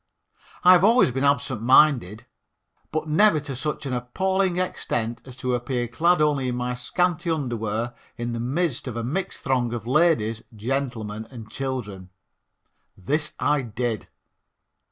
I have always been absent minded, but never to such an appalling extent as to appear clad only in my scanty underwear in the midst of a mixed throng of ladies, gentlemen and children. This I did.